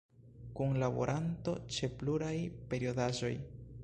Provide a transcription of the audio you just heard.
Kunlaboranto ĉe pluraj periodaĵoj.